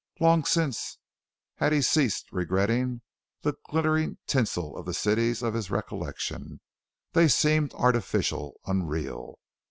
Long since had he ceased regretting the glittering tinsel of the cities of his recollection; they seemed artificial, unreal.